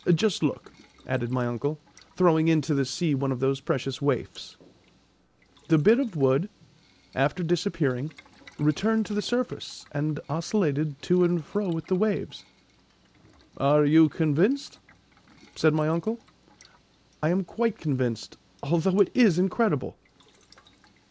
Just look," added my uncle, throwing into the sea one of those precious waifs. The bit of wood, after disappearing, returned to the surface and oscillated to and fro with the waves. "Are you convinced?" said my uncle. "I am quite convinced, although it is incredible!"